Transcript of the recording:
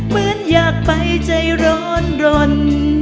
เหมือนอยากไปใจร้อนรน